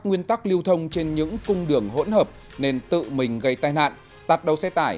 nguyên tắc lưu thông trên những cung đường hỗn hợp nên tự mình gây tai nạn tạt đầu xe tải